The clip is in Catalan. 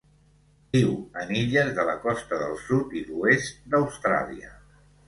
Viu en illes de la costa del sud i l'oest d'Austràlia.